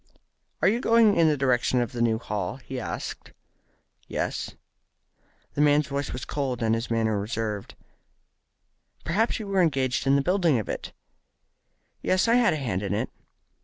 "Are you going in the direction of the new Hall?" he asked. "Yes." The man's voice was cold, and his manner reserved. "Perhaps you were engaged in the building of it?" "Yes, I had a hand in it."